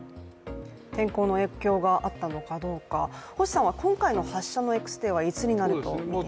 天候の影響があったのかどうか、星さんは今回の発射Ｘデーはいつになると思いますか？